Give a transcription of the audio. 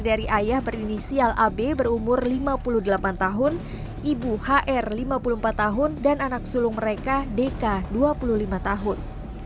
dari ayah berinisial ab berumur lima puluh delapan tahun ibu hr lima puluh empat tahun dan anak sulung mereka deka dua puluh lima tahun